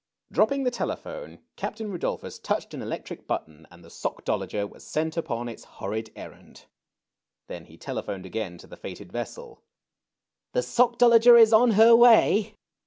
Dropping the telephone ' Captain Rudolphus touched an electric button and the Sockdolager was sent upon its horrid errand. Then he telephoned again to the fated vessel. " The Sockdolager is on her way